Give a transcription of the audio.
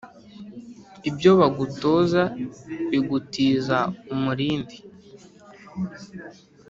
ibyo bagutoza bigutiza umurindi